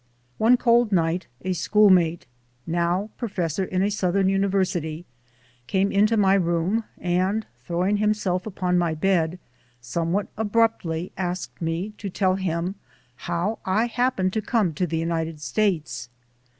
One cold night a schoolmate, now professor in a Southern university, came into my room and, throwing himself upon my bed, somewhat abruptly asked me to tell him how I happened to come to the United States.